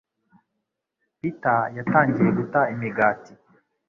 Peter yatangiye guta imigati.